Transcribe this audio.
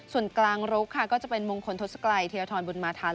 ส่วนกลางลุกค่ะก็จะเป็นมงคลทศกรัยเทียทรบุญมาทัน